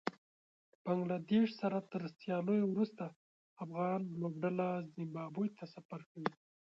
بنګله دېش سره تر سياليو وروسته افغان لوبډله زېمبابوې ته سفر کوي